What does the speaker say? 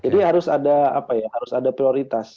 jadi harus ada prioritas